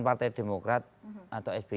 partai demokrat atau sb